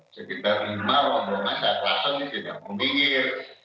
sekitar lima orang bermasyarakat langsung di sini yang memikir